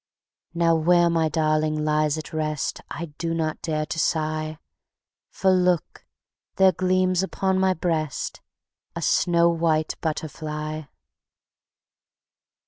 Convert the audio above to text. Now, where my darling lies at rest, I do not dare to sigh, For look! there gleams upon my breast A snow white butterfly.